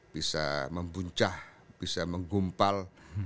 bisa membuncah bisa menggumpal